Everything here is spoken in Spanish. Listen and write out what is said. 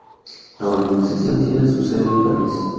La organización tiene su sede en París.